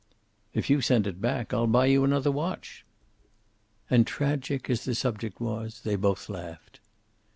"If you send it back, I'll buy you another watch!" And, tragic as the subject was, they both laughed.